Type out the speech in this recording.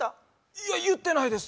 いや言ってないです。